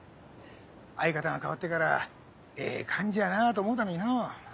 相方が変わってからええ感じやなと思うたのにのぉ。